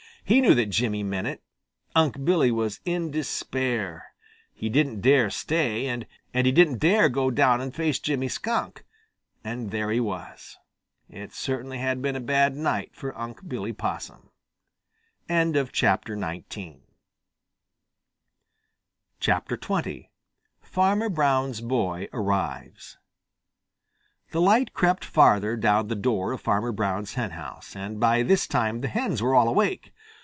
He knew that Jimmy meant it. Unc' Billy was in despair. He didn't dare stay, and he didn't dare go down and face Jimmy Skunk, and there he was. It certainly had been a bad night for Unc' Billy Possum. XX FARMER BROWN'S BOY ARRIVES The light crept farther under the door of Farmer Brown's henhouse, and by this time the hens were all awake.